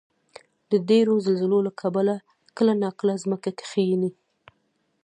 د ډېرو زلزلو له کبله کله ناکله ځمکه کښېني.